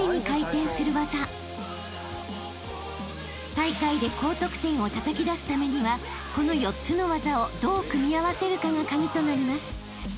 ［大会で高得点をたたき出すためにはこの４つの技をどう組み合わせるかが鍵となります］